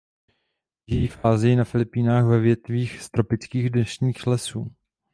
Žijí v Asii na Filipínách ve větvích tropických deštných lesů.